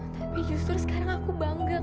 tapi justru sekarang aku bangga